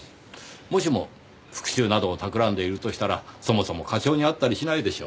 もしも復讐などをたくらんでいるとしたらそもそも課長に会ったりしないでしょう。